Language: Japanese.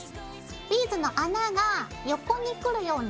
ビーズの穴が横にくるように。